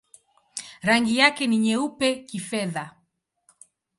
Rangi yake ni nyeupe-kifedha.